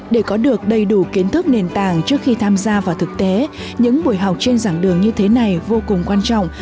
để có được đầy đủ kiến thức nền tảng trước khi tham gia vào thực tế những buổi học trên dạng đường như thế này vô cùng quan trọng